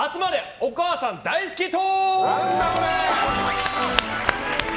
お母さん大好き党。